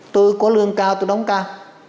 tôi có lương cao tôi đóng cao